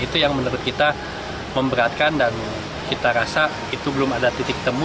itu yang menurut kita memberatkan dan kita rasa itu belum ada titik temu